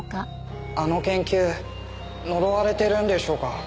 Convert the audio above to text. あの研究呪われてるんでしょうか？